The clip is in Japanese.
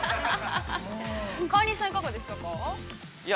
◆川西さん、いかがでしたか。